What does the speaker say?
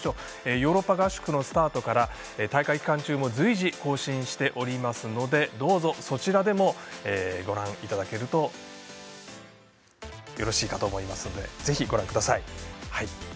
ヨーロッパ合宿のスタートから大会期間中も随時更新しておりますのでどうぞ、そちらでもご覧いただけるとよろしいかと思いますのでぜひ、ご覧ください。